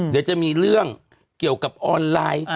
เดี๋ยวจะมีเรื่องเกี่ยวกับออนไลน์